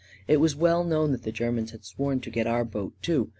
It was well known that the Ger mans had sworn to get our boat, too.